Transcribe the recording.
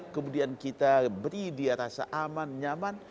kemudian kita beri dia rasa aman nyaman